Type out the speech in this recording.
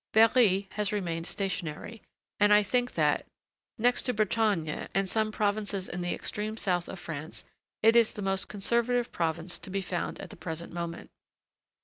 Berry has remained stationary, and I think that, next to Bretagne and some provinces in the extreme south of France, it is the most conservative province to be found at the present moment.